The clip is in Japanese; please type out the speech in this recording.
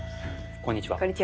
こんにちは。